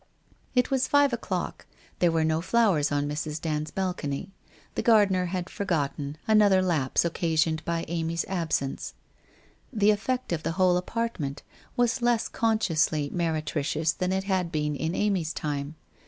It was five o'clock. There were no flowers on Mrs. Dand's balcony; the gardener had forgotten, another lapse occasioned by Amy's absence. The effect of the whole apartment was less consciously meretricious than it had been in Amy's time.